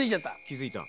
気付いた。